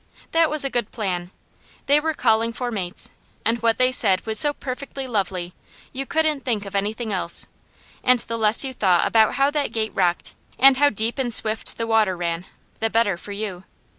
That was a good plan. They were calling for mates, and what they said was so perfectly lovely, you couldn't think of anything else; and the less you thought about how that gate rocked, and how deep and swift the water ran, the better for you.